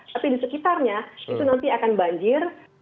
tapi di sekitarnya itu nanti akan banjir